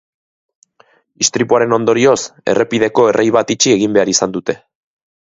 Istripuaren ondorioz, errepideko errei bat itxi egin behar izan dute.